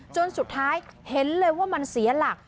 จนสุดท้ายเห็นเลยว่ามันเสียหลัก